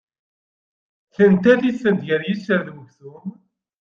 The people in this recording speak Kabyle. Tenta tistent gar yiccer d uksum.